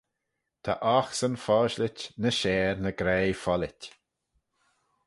Ta oghsan foshlit ny share na graih follit.